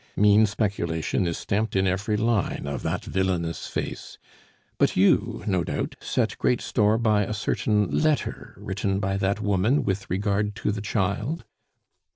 "Mean speculation is stamped in every line of that villainous face. But you, no doubt, set great store by a certain letter written by that woman with regard to the child?"